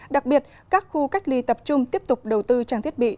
đặc biệt các khu cách ly tập trung tiếp tục đầu tư trang thiết bị